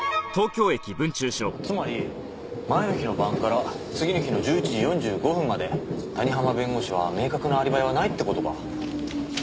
つまり前の日の晩から次の日の１１時４５分まで谷浜弁護士は明確なアリバイはないって事か。